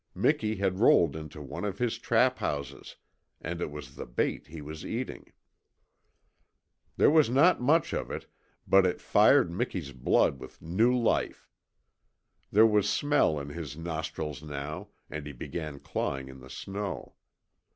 Miki had rolled into one of his trap houses, and it was the bait he was eating. There was not much of it, but it fired Miki's blood with new life. There was smell in his nostrils now, and he began clawing in the snow.